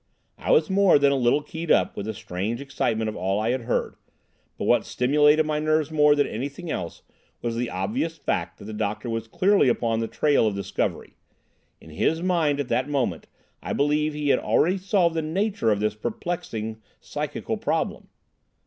I was more than a little keyed up with the strange excitement of all I had heard, but what stimulated my nerves more than anything else was the obvious fact that the doctor was clearly upon the trail of discovery. In his mind at that moment, I believe, he had already solved the nature of this perplexing psychical problem.